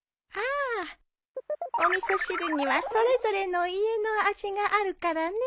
ああお味噌汁にはそれぞれの家の味があるからね。